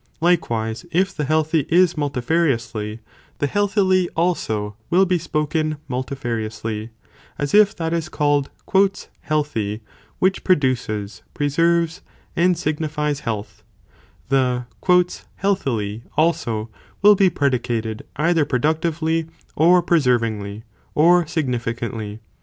Likewise, if the healthy is multifariously, the healthily also, will be spoken multifariously, as if that is called "healthy," which produces, preserves, and signifies health, the " healthily" also, will be predicated either productively, or preservingly, or sig nificantly.